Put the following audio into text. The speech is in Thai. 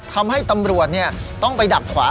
ทำให้ตำรวจต้องไปดักขวา